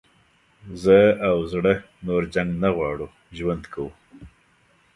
زه او زړه نور جنګ نه غواړو ژوند کوو.